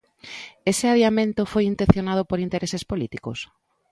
Ese adiamento foi intencionado por intereses políticos?